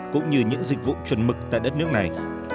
cũng như những dịch vụ chuẩn mực tại đất nước này